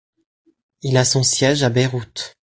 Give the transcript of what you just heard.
Il a son siège à Beyrouth.